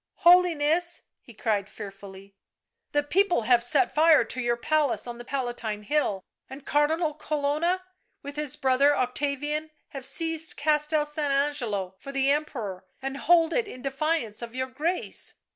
" Holiness," he cried fearfully, " the people have set fire to your palace on the Palatine Hill, and Cardinal Colonna, with his brother Octavian, have seized Castel San Angelo for the Emperor, and hold it in defiance of your Grace."